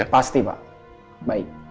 pasti pak baik